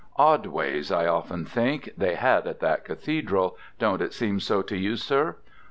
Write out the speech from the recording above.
Odd ways, I often think, they had at that Cathedral, don't it seem so to you, sir?